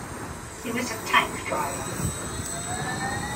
He was a tank driver.